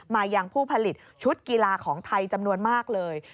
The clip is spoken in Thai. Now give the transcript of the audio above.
ยังผู้ผลิตชุดกีฬาของไทยจำนวนมากเลย